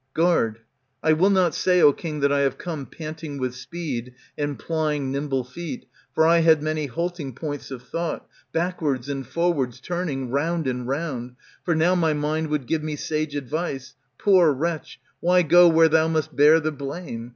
Guard, I will not say, O king, that I have come Panting with speed, and plying nimble feet. For I had many halting points of thought. Backwards and forwards turning, round and round : For now my mind would give me sage advice ;'* Poor wretch, why go where thou must bear the blame